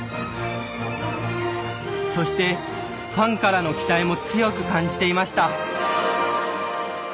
そしてファンからの期待も強く感じていました。